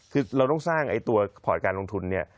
คือเราต้องสร้างไอ้ตัวพอร์ตการลงทุนเนี่ย